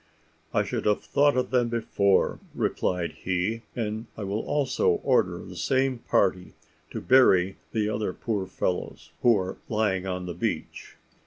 "I should have thought of them before," replied he: and I will also order the same party to bury the other poor fellows who are lying on the beach.